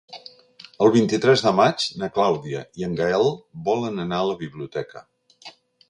El vint-i-tres de maig na Clàudia i en Gaël volen anar a la biblioteca.